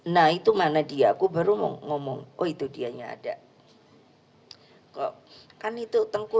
nah itu mana dia aku baru mau ngomong oh itu dianya ada kok kan itu tengku